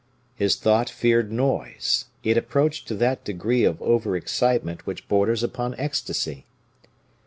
His thought feared noise; it approached to that degree of over excitement which borders upon ecstasy.